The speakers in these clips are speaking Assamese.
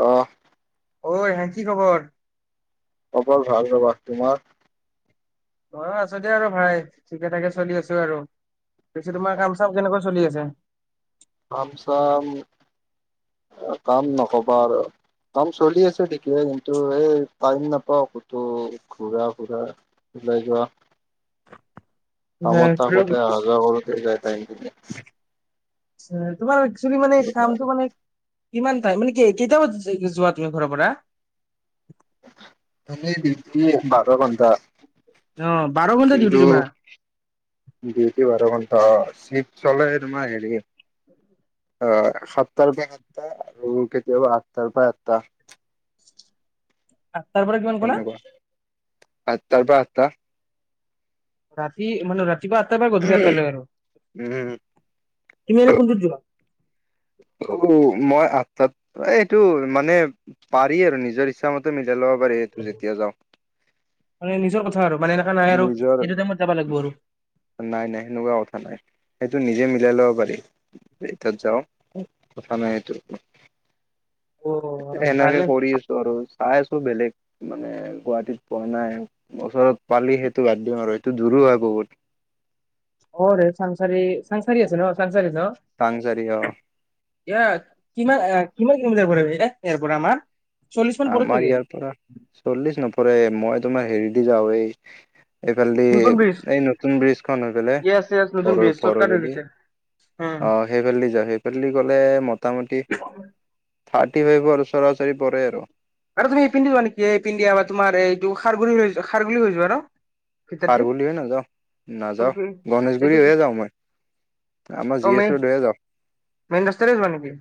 অ' অ' হে কি খবৰ? খবৰ ভাল ৰাবা। তোমাৰ? মইয়ো আছো দিয়া আৰু ভালেই, ঠিকে থাকে চলি আছো আৰু। পিছে তোমাৰ কাম চাম কেনেকুৱা চলি আছে? কাম চাম, কাম নক'বা আৰু কাম চলি আছে ঠিকে। কিন্তু এই টাইম নাপাওঁ কতো ঘূৰা ফুৰা, ওলাই যোৱা। কামত হয়, থাকোতে আহা যোৱা কৰোঁতে যায় টাইমখিনি। আচ্ছা তোমাৰ একচুৱেলী মানে কামটো মানে। কিমান টাইম মানে কেইটা বজাত যোৱা তুমি ঘৰৰ পৰা? ডিউটি বাৰ ঘণ্টা। অহ বাৰ ঘন্টা ডিউটি কিন্তু তোমাৰ? অ চিফট্ চলে তোমাৰ হেৰি অ সাতটাৰ পৰা সাতটা আৰু কেতিয়াবা আঠটাৰ পৰা আঠটা [unintelligible] সাতটাৰ পৰা কিমান ক'লা? সেনেকুৱা আঠটাৰ পৰা আঠটা ৰাতি, মানে ৰাতি ৰাতিপুৱা আঠটৰ পৰা গধূলি আঠটাৰ লৈকে আৰু উম তুমি এনে কোনটোত যোৱা? মই আঠটাত। এইটো মানে পাৰি আৰু নিজৰ ইচ্ছা মতে তেতিয়া ল'ব পাৰি এইটো যেতিয়া যাওঁ। মানে নিজৰ কথা আৰু মানে এনেকা নাই আৰু নিজৰ এইটো টাইমত যাব লাগিব আৰু নাই নাই সেনেকুৱা কথা নাই, সেইটো নিজে ম উলাই লব পাৰি। যেই তাত যাওঁ কথা নাই সেইটো অ এনেকে ভালে কৰি আছো আৰু চাই আছো বেলেগ মানে গুৱাহাটীত পোৱা নাই ওচৰত পালি সেইটো বাদ দিম আৰু সেইটো দোৰো হয় বহুত অ চাংচাৰি চাংচাৰি আছে ন চ তাং চাৰ দিগী অ এ কিমান কিমান কিলোমিটাৰ পৰেব এ ইয়াৰ পৰা আমাৰ চল্লিশ মান পৰে আমাৰ চাগে ইয়াৰ পৰা চল্লিছ নপৰে মই তোমাৰ হেৰি দি যাব এই নতুন ব্ৰিজ এইফালেদি এই নতুন ব্ৰিজখন হৈ য়েছ য়েছ নতুন পেলাইৰ ব্ৰিজ চৰ্টকাট হৈ ফৰলৈদি গৈছে উম আহ সেইফালেদি যাওঁ সেইফালেদি গ'লে মোটামুটি থাৰ্টি ফাইভৰ উচৰা উচৰি পৰে আৰু আৰু তুমি এই পিন্ধি যোৱা নেকি এই পিন্ধা বা তুমাৰ এইটো খাৰগুল খাৰুল হৈৈ যোৱা আৰু খাৰগল হৈ নাযাও নাযাও কোনটো গণেশগুৰি হৈয়ে যাও মই আমাৰ অ জি মেইন এচয়ে যাওঁ মেইন ৰাস্তাৰে যোৱা নেকি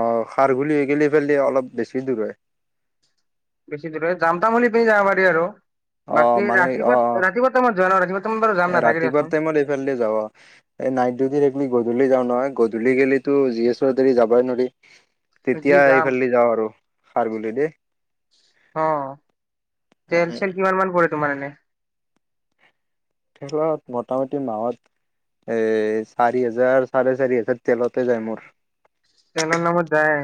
আহ খাৰগল হৈ গেল পেলি অলপ বেছি দূৰ হয় বেছি দূৰে যাম তাম বুলি পি যাব পাৰি আৰু অ বাকী ৰাতিপা ৰাতিপুৱা টাইমত [unintelligible] এ নাথাকে ৰাতিপুৱা দিয়াচোন টাইমত এইফালে যা এই নাইট ডিউটি থখি গধূলি যাওঁ নহয় গধূলি গলেিতো জি এচৰ দেৰি যাবই নোৱাৰি যি তেতিয়া যাম এইফালে যাওঁ আৰু সাৰ বুলি অ দেই তোমাৰনে মোটামুটি মাহত এ চাৰি হোজাৰ চাৰে চাৰি হোজাৰ তেলতে যায় মোৰ তেলৰ নামত যায়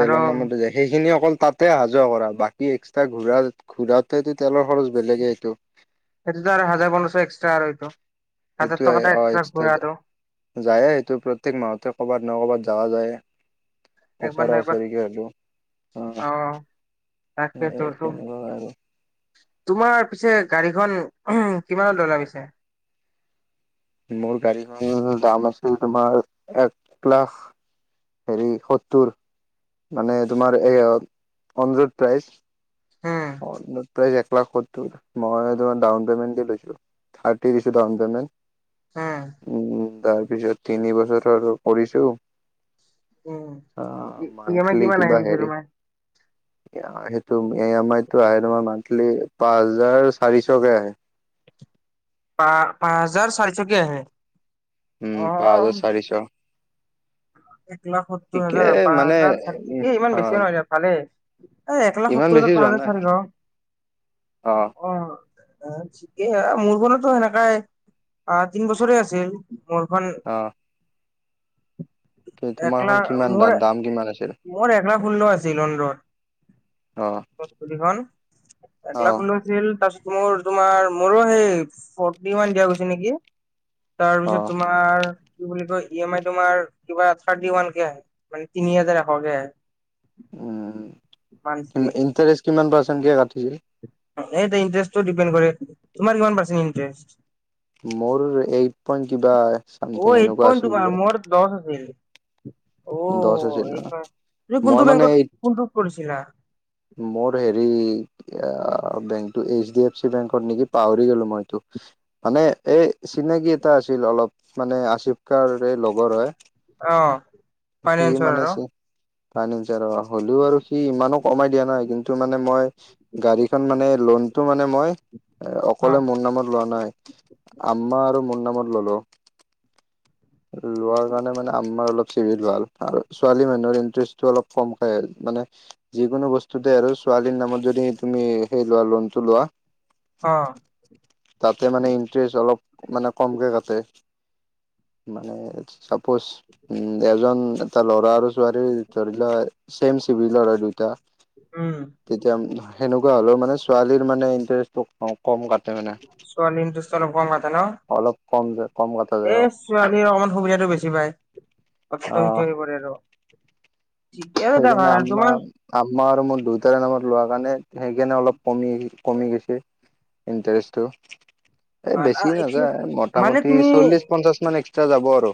আৰু নামত যায় সেইখিনি অকল তাত টোৱে আহা যোৱা কৰা বাকী এক্সট্ৰা ঘুৰা ঘুৰাতেতটো তেলৰ খৰচ বেলেগে সটো সেইটোতো আৰু হাজাৰ পোন্ধৰশ এক্সট্ৰা আৰু এইটো হাজাৰ টকা এটা এক্সট্ৰা ঘ আৰু টো যায় সেইটো প্ৰত্যেক মাহতে কৰ'বাত নহয় ক'ৰবাত যোৱা যায়। একবাৰ ওচৰা [unintelligible] ওচৰিকে হ'লেও অ', তাকে তোৰটো সেনেকুৱা আৰু তোমাৰ পিছে গাড়ীখন কিমান [unintelligible] লাগিছে? মোৰ গাড়ীখনৰ দাম আছিল, তোমাৰ, এক লাখ, হেৰি, সত্তৰ মানে, তোমাৰ এইয়া on road price um, on road price এক লাখ সত্তৰ। মই তোমাৰ ডাউন পেমেণ্ট দি লৈছোঁ। থাৰ্টি দিছোঁ ডাউন উম, পেমেণ্ট উম। তাৰ পিছত তিনি বছৰ [unintelligible] কৰিছোঁ। উম। আ, ই এম আই মান্থলি কিমান আহে কিবা পিছে হেৰি, তোমাৰ? সেইটো ইএমআইট তোমাৰ মান্থলি পাঁচ হাজাৰ চাৰিশকে আহে। পাঁ-পাঁচ হাজাৰ চাৰিশকে আহে। উম, পাঁচ হাজাৰ অ' চাৰিশ। এক লাখ সত্তৰ ঠিকে হাজাৰ। পাঁচ মানে হাজাৰ চাৰিশ। উ ঠিকেই, ইমান অ বেছি নহয় দিয়া, ভালেই। এ, এক লাখ ইমান সত্তৰ বেছি হাজাৰ, পাঁচ যোৱা হাজাৰ নাই চাৰিশ, অ অ'। আ, ঠিকেই আৰু মোৰখনতো সেনেকাই। আ, তিনি বছৰৰেই আছিল। মোৰখন [inaudible] অ কি, এক তোমাৰখন লাখ কিমান? মোৰ দাম, দাম কিমান আছিলে? [unintelligible] আছিল অন-ৰ'ড। অ ক'ত? স্কুটীখন? অ [unintelligible] আছিল তাৰ মোৰ তোমাৰ, মোৰো সেই ফৰ্টি ওৱান দিয়া গৈছে নেকি। অ তাৰপিছত, তোমাৰ কি বুলি কয় ই এম আই তোমাৰ কিবা থাৰ্টি ওৱান কে, আহে মানে তিনি হাজাৰ এশকে। উম, মান্থলি ইণ্টাৰেষ্ট কিমান পাৰ্চেন্টকে কাটি [unintelligible] এইটো দিপেণ্ড কৰে, তোমাৰ কিমান পাৰ্চেটকে? মোৰ এই পইণ্ট কিবা চামথিং অ', এইট এনেকুৱা পইণ্ট আছিল তোমাৰ, মোৰ দচ আছিল। অ দচ আছিল এইট অ', পইণ্ট তুমি কোনটো মই মানে বেংকত এইট কোনটোত কৰিছিলা মোৰ হেৰি বেংকটো এইচ ডি এফ চি বেংকত নেকি পাহৰি গ'লো মই এইটো, মানে এই চিনাকি এটা আছিল অলপ মানে আছিফ কাৰে লগৰ হয়। অ' সি ফাইনেন্সৰ মানে আৰু চি ফানাঞ্চিয়ৰ হ'লেও আৰু সি ইমানো কমাই দিয়া নাই। কিন্তু মানে মই গাড়ীখন মানে লোনটো মানে মই অ অকলে মোৰ নামত লোৱা নাই। আম্মা আৰু মোৰ নামত ললোঁ। লোৱাৰ কাৰণে মানে আম্মাৰ অলপ ভাল আৰু ছোৱালী মানুহৰ ইণ্টাষ্টটো অলপ ক'মকৈ, মানে যিকোনো বস্তুতে আৰু ছোৱালীৰ নামত যদি তুমি সেই লোৱা লোনটো লোৱা অ'। তাতে মানে ইন্টাৰেষ্ট অলপ মানে কমকে কাটে। মানে চাপজ উম এজন এটা ল'ৰা আৰু ছোৱালী ধৰি লোৱা ছেম চভিলৰে লৰা দুইটা উম তেতিয়া সেনেকুৱা হলেওঁ মানে ছোৱালীৰ মানে ইণ্টাৰেষ্টটো কম। কম কাটে মানে। ছোৱালীৰ ইণ্টাৰেষ্ট অলপ কম কে কাটে ন? অলপ কম কম কটা এ যায় অ ছোৱালীয়ে অকমান সুবিধাটো বেছি পায়, অ অৰ্থনৈতিক হৈ পৰে আৰু। ঠিকে আছে দিয়া ভাল। তোমাৰ? ম্মা আৰু মোৰ দুয়টাৰে নামত লোৱা কাৰণে সেইকাৰণে অলপ কমি কমি গৈছে ইণ্টাৰেষ্টটো। এই বেছি নাযায় মানে মোটামুটি তুমি, চল্লিশ পঞ্চাশ মান এক্সট্ৰা যাব আৰু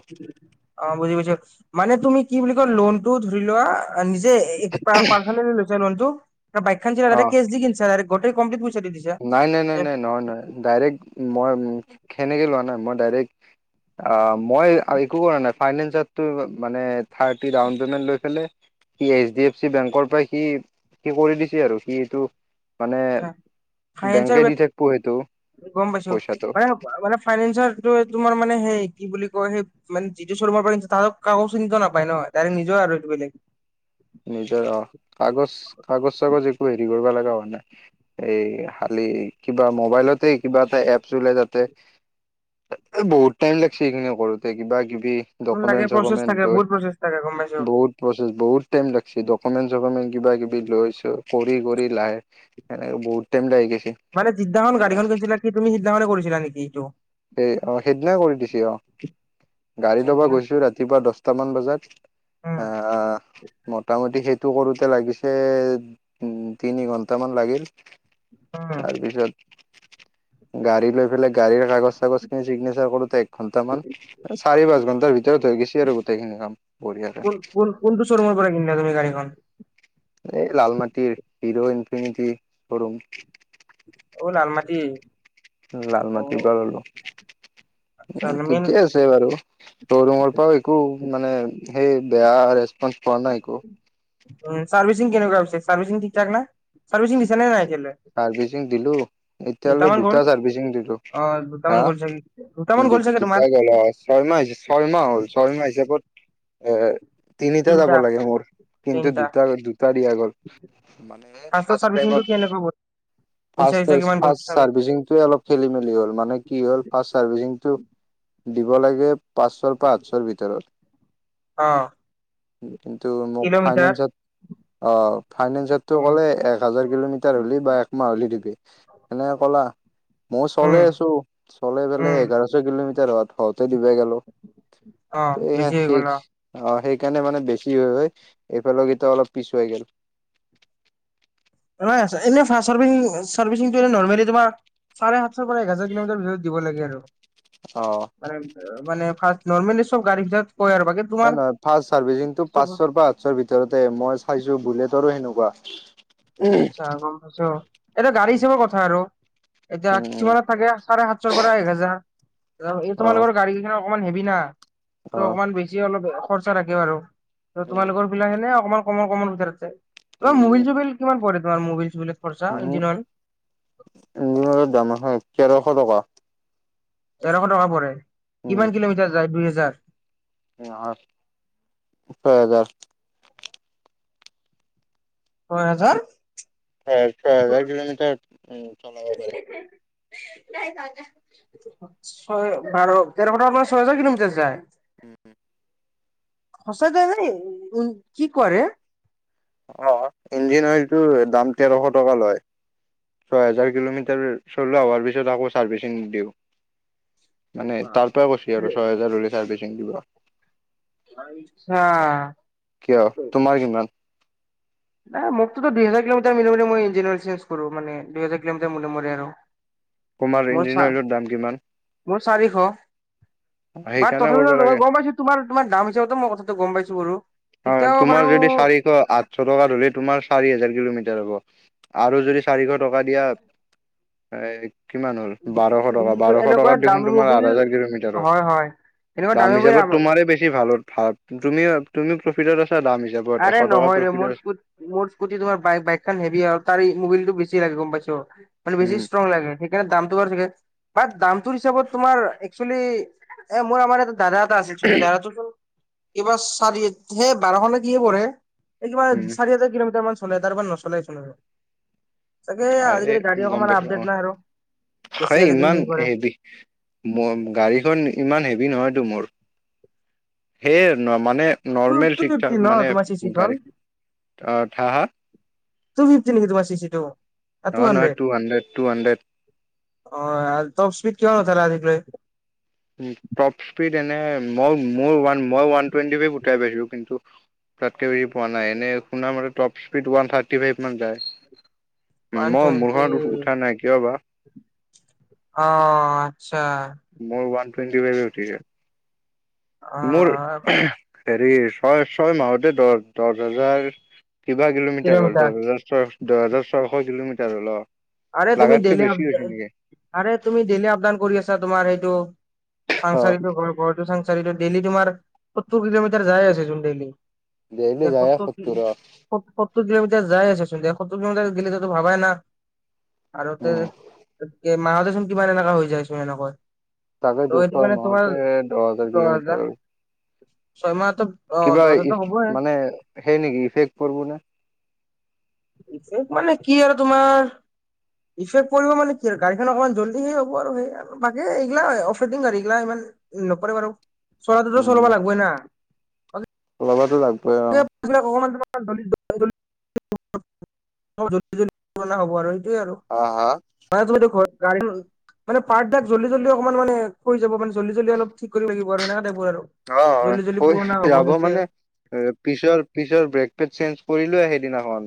অ' বুজি পাইছো। মানে তুমি কি বুলি কয় লোনটো টো ধৰি লোৱা নিজে পাৰ্চনেলি লৈছে লোন টো? বাইকখান যে অ আগতে কেছ দি কিনিছা? ত গোতেই কম্পিলিত ব নাই, নাই, নাই, নাই, নহয়, নহয় ডাইৰেক্ট মই সেনেকে লোৱা নাই। মই ডাইৰেক্ট মই একো কৰা নাই ফাইনেনচতটো থাৰ্টি ডাউন পেমেণ্ট লৈ পেলাই সি এইঢ ডি এফ চি বেংকৰ পৰা সি কৰি দিছে আৰু। মানে ফাইনেন্সাৰ বেংকে দি থাকিব সেইটো গ'ম পাইছো, পইচাটো মানে মানে ফাইনেন্সৰটো তোমাৰ মানে হে কি বুলি বুলি কয় সেই মানে জিতু ৰ্শমাৰ পৰা কিনিছা, তাত কাকো চিন্তা নাপায় ন তাৰে নিজৰ আৰু এইটো বেলেগ। নিজৰ অ' কাগজ কাগজ চাগজ একো হেৰি কৰিব লগা হোৱা নাই। এই খালি কিবা মবাইলতে কিবা এটা এপ চলোই যাতে বহুত টাইম লাগছে সেইখিনি কৰোতে। কিবা কিবি সি ডকুমেন্ট লাগে প্ৰচেছ চকুমেন্ট থাকে লৈ, বহুত প্ৰচেছ থাকে গম পাইছো বহুত প্ৰচেছ বহুত টাইম লাগিছে। ডকুমেণ্ট ডকুমেণ্ট কিবা কিবি লৈ ছৈ কৰি কৰি লাহে এনেকে বহুত টাইম লাগি গৈছে। মানে যিদিনাখন গাড়ীখন কিনিছিলা কি তুমি সিদিনাখনে কৰিছিলা নেকি এইটো? সেই অ' সেইদিনাই কৰি দিছে, অ' গাড়ী লবা গৈছো ৰাতিপুৱা দহটামান বজাত উম আহ মোটামুটি সেই টো কৰোতে লাগিছে তিনি ঘণ্টামান লাগিল। উম তাৰপিছত গাড়ী লৈ পেলাই গাড়ীৰ কাগজ লাগছ খিনি চিগনেচাৰ কৰোতে এক ঘন্টামান চাৰি পাঁচ ঘন্টাৰ ভিতৰত হৈ গৈছেি আৰু গোটেইখিনি কাম কোন বঢ়িয়াকে কোন কোনটো শ্বৰুমৰ পৰা কিনিলা তুমি গাড়ীখন এই লাল মাটিৰ হিৰো ইনফিনিটি শ্বৰুম। ঔ লালমতি লাল মাটিৰ পৰা ললো আচ্ছা উম মেইন ঠিকে আছে বাৰু শ্বৰুমৰ পৰাও একো মানে সেই। বেয়া ৰেচপঞ্চ পোৱা নাই একো উ চাৰ্ভিচিং কেনেকুৱা মানে ছাৰ্ভিচিং ঠিক ঠাক নে ছাৰ্ভিচিং দিছে নে নাই। দিছিলে। দিলোঁ। এতিয়ালৈ দুটা চাৰ্ভিচিং দিলো অ হা দুটামান গ'ল চাগে দুটামান গ'ল চাগে তোমাৰ দুটা গল ছয় মাহ ছয় মাহ হ'ল ছয় মাহ হিচাপত। উম তিনিটা যাব তিনটা লাগে মোৰ কিন্তু তিনটা দুটা দুটা দিয়া গ'ল মানে ফাৰ্ষ্টৰ ফাৰ্ষ চাৰ্ভিচিংটো টাইমত। কেনেকুৱা গ'ল ফ পইচা চইচা কিমান ফ গ'ল চাগে চাৰ্ভিচিংটোয়ে অলপ খেলি মেলি হল মানে কি হ'ল ফা চাৰ্ভিচিংটো। দিব লাগে। পাঁচশৰ পৰা আঠশৰ ভিতৰত। অ' উম কিন্তু মোক কিলোমিটাৰ ফাইনেন্সত অ ফাইনেন্সততটো উম ক'লে এক হাজাৰ কিলোমিটাৰ হ'লে। লিপি এনেকে ক'লা। মই চলে উম আছো চলাই উম এঘাৰশ কিলোমিটাৰ হ হওঁতে দিবা গেলো অ তে বেছি শ হৈ গ'ল অ অ সেই সেইকাৰণে মানে বেছি হৈ হয় এইফালে কিত অলপ পিছুৱাই গল। এ ফাৰ্চ পৰাাৰ কোমিাৰ ভিতৰত দিব লাগে আৰু অ' মানে মানে ফাৰ্ষ নৰ্মেলি চব গাড়ী ভিতৰত। কয় আৰু বাকী হে তোমাৰ নহয় ফা চাৰ্ভিচিং টো পাঁচশৰ পৰা সাতশৰ ভিতৰতে মই চাইছো বুলেটৰো সেনেকুৱা। উম আচ্ছা গম পাইছো এটো গাড়ী হিচাপৰ কথা আৰু এতিয়া উম কিছুমানত থাকে চাৰে সাতশৰ পৰা এক হেজাৰ। এই অ তোমালোকৰ গাড়ী কিন অকমান হেবি না ত অ অকণমান বেছি অলপ। খৰচা থাগে ব আৰু ত তোমালোকৰ বিলাহেনে কমমান কমন কমন বিচাৰছে তই মবিল উম চ বিল কিমান পৰে তোমাৰ মুবিল-চুবিলত উম ইঞ্জিন অইল দাম আছে তেৰ শ টকা। তেৰশ টকা পৰে উম কিমান কিলোমিটাৰ যায় দুই হেজাৰ। নহয় ওঠৰ হাজাৰ। ছয় হাজাৰ। হয় চয় হাজাৰ কিলমিটাৰ উম চলব পাৰি। ছয় বাৰ তেৰ বটাৰ পৰা ছয় হাজাৰ কিলোমিটাৰ যায়। উম সঁচা যায় নে উ কি কোৱা ৰে। অ ইঞ্জিন অইলটো দাম তেৰশ টকা লয়, ছয় হোজাৰ কিলোমিটাৰ চলোৱা হোৱাৰ পিছত আকৌ চাৰ্ভিচিং দিওঁ। মানে তাৰ পৰা কৈছি আৰু ছয় হেজাৰ হলে চাৰ্ভিচিং দিবা। আচ্ছা কিয় তোমাৰ কিমান? নাই মোকতো দুই হাজাৰ কিলোমিটাৰ মই-মই ইঞ্জিয়াৰ চজ কৰো মান দুইহাজাৰ কিলোমিটাৰ মূৰে-মূৰে আৰু। কুমাৰ মোৰ চা ইঞ্জিনইলৰ দাম কিমান? মোৰ চাৰিশ বাট সেইকাৰণে কৰিব তথাপিতো লাগে গম পছ তোৰ-তোমাৰ দাম হিচাপত মই কথাটো গম পাইছো। কৰো অ' তোমাৰ যদি চাৰিশ আঠশ টকা ধৰি তোমাৰ চাৰি হাজাৰ কিলোমিটাৰ হব আৰু যদি, চাৰিশ টকা দিয়া। হয় কিমান হ'ল বাৰশ গম টকা পাইছো বাৰশ এনেকুৱা টকাত দেখোন দামী তোমাৰ আঠ মবিল হাজাৰ কিলোমিটাৰৰ হয় হয় এনেকুৱা দাম দামী মবিল হিচাপত তোমাৰ বেছি ভাল হ ভাল তুমি তুমি প্ৰফিটত আছা দাম হিচাপত এশ আৰে টকা নহয় প্ৰফিটত আছা মোৰ-মোৰ স্কুটি তোমাৰ বাইকখন হেভি আৰু তাৰ মবলটো বেছি। গম পাইছো। মান বেচি উম ষ্ট্ৰং লাগে সেইকাৰে দাম তোমাৰ চাগে এ দামটোৰ হিচাপত তোমাৰ এক্সুৱালি এ মই এবাৰ দাদা এটা আছে চ দাদাটো, এইবাৰ চাৰি হে বাৰশ নে। কি পঢ়ে। এই কি মান উম চাৰি হাজাৰ কিলোমিটাৰ মান চলে তাৰপা নচলে এইখন আৰু। চাগে আৰে আজিকালি গাড়ী গম অকমান পাইছো, আপডেট অ' নাই আৰু বেছি হ আজিকালি ইমান হেৰি কৰে হেভি গাড়ীখন ইমান হেভি নহয় টো মোৰ সেইয ন' মানে ত নৰ্মেল ত ঠিক ঠাক ফিফ্তি ন মানে তোমাৰ চিচি কন গাড়ী অ হা হা তু ফিফ্তি নেকি তোমাৰ চিচিটো [unintelligible] নহয় নহয় টু হাণ্ড্ৰেড টু হাণ্ড্ৰেড অ', [unintelligible] কিয় নোঠালা [unintelligible] টপ স্পীড এনে মই মোৰ ওৱান মই ওৱান টুৱেন্টি ফ্ৰাইভ উঠাই পাইছোঁ। কিন্তু তাতকে বেছি পোৱা নাই, এনে শুন মতে top speed one thirty five মান যায়। ওৱান মই টুৱেন্টি মোৰখনত উঠা নাই কিয় বা অ' আচ্ছা। মোৰ ওৱান টুৱেন্টি ফ্ৰাইভে অ উঠে। মোৰৰ হেৰি ছয় ছয় মাহতে দহ দহ হাজাৰৰ কিবা কিলোমিটাৰ হ'ল, দহ হাজাৰ ছয়, দহ হাজাৰ ছয়শ কিলোমিটাৰ। এতিয়া ধৰি লওঁ। আৰে তুমি ডেইলি আপ আৰে তুমি ডেইলি আপডাউন কৰি আছা তোমাৰ সেই। টোৰ অ চাংচাৰিটে ঘৰ গুৱাহাটী চাংচাৰি চাইদত ডেইলি তোমাৰ সত্তৰ কিলোমিটাৰ যাই আছে চোন ডেইলি। ডেইলি যাওয়ে সত্তৰ সত্তোৰত। সত্তৰ কিলোমিটাৰ যাই আচ চোন, এটিয়া সত্তৰ কিলোমিটাৰ গেলেতো ভাবাইনা। আৰু তে মাহতে চোন কিমান এনেকুৱা হৈ যায়ছোন এনেকৈ। তাকে ত' সেইটো দুটা কাৰণে তোমাৰ মাহতে দহ হাজাৰ কিলোমিটাৰ ছয় মাহত কিবা ইফ মানে সেই নেকি ইফেক্ট পৰিব নে ইফেক্ট মানে কি আৰু তোমাৰ ইফেক্ট পৰিব? মানে কি আৰু গাড়ীখন অকমান জলদি শেষ হ'ব আৰু, সে বাকী এইয়া অফৰেডি গাড়ীগিলা ইমান নপৰে আৰু। চলাটোতো চলবা লাগবই ন। অ [unintelligible] ললবা যাম [unintelligible] প [unintelligible] হ'ব আৰু [unintelligible] অ' হা'। তুমিতো ঘৰত গাড়ী মানে পাৰ্টচ বিলাক জল্দি জল্দি অকমান মানে হৈ যাব মানে জল্দি জল্দি অলপ ঠিক কৰিব লাগিব আৰু মানে। অ' হৈ যাব সেইটোৱে মানে পিছৰ পিছৰ ব্ৰেক পেট চেঞ্জ কৰিলোৱে সেইদিনাখন।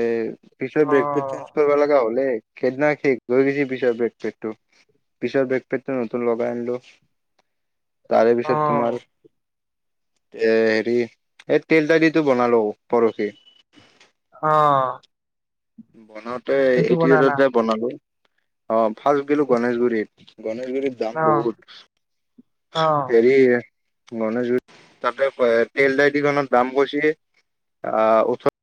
এই [unintelligible] পিছত ব্ৰেক [unintelligible] চেঞ্জ অ কৰিব লগা হ'লে। সেইদিনা [unintelligible] ব্ৰেকপেকটো, পিছৰ ব্ৰেকপেকটো নতুন লগাই আনিলোঁ। তাৰেপিছত তোমাৰ এ, হেৰি এই তেল তালিটো বনালোঁ পৰহি। [unintelligible] [unintelligible] যে, বনালোঁ। অ', [unintelligible] গণেশগুৰিত গণেশগুৰিৰ দাম বহুত, হেৰি গণেশগুৰি তাতে এই তেল ডাইটিখনত দাম কছি আ, ওঠৰ